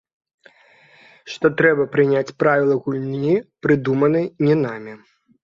Што трэба прыняць правілы гульні, прыдуманай не намі.